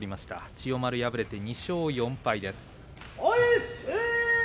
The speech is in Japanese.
千代丸、敗れて２勝４敗です。